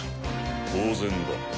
当然だ。